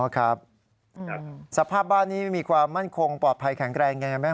อ๋อครับสภาพบ้านนี้มีความมั่นคงปลอดภัยแข็งแรงกันไหมครับ